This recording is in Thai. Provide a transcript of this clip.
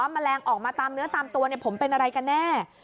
มันแรงออกมาตามเนื้อตามตัวเนี่ยผมเป็นอะไรกันแน่